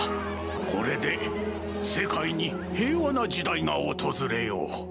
これで世界に平和な時代が訪れよう。